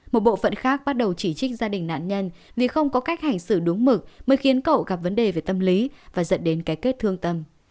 một bộ phận khác bắt đầu chỉ trích gia đình nạn nhân vì không có cách hành xử đúng mực mới khiến cậu gặp vấn đề về tâm lý và dẫn đến cái kết thương tâm